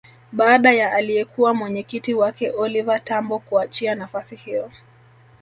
Baada ya aliyekuwa mwenyekiti wake Oliva Tambo kuachia nafasi hiyo